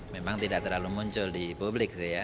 memang tidak terlalu muncul di publik sih ya